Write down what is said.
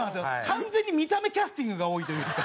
完全に見た目キャスティングが多いというか。